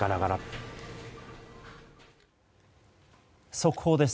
速報です。